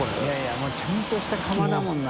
もうちゃんとした釜だもんな。